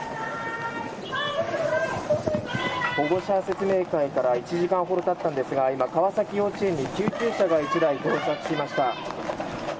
保護者説明会から１時間ほどたったんですが今、川崎幼稚園に救急車が１台到着しました。